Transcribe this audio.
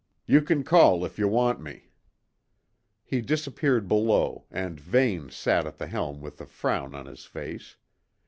You can call if you want me." He disappeared below, and Vane sat at the helm with a frown on his face.